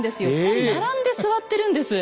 ２人並んで座ってるんです。